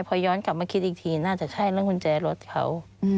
พอย้อนกลับมาคิดอีกทีน่าจะใช่เรื่องกุญแจรถเขา